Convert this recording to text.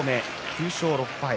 ９勝６敗。